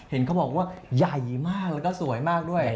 เห็นเขาบอกว่าใหญ่มากแล้วก็สวยมากด้วย